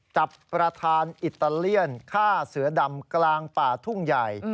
จับประธานอิตาเลียนฆ่าเสือดำกลางป่าทุ่งใหญ่